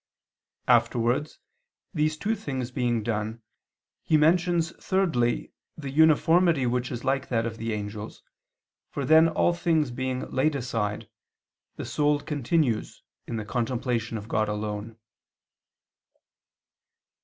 Afterwards these two things being done, he mentions thirdly the uniformity which is like that of the angels, for then all things being laid aside, the soul continues in the contemplation of God alone.